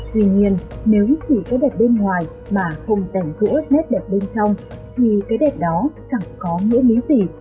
tuy nhiên nếu chỉ có đẹp bên ngoài mà không rảnh rũa nét đẹp bên trong thì cái đẹp đó chẳng có nghĩa lý gì